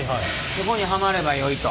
そこにはまればよいと。